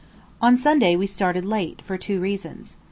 On Sunday we started late, for two reasons.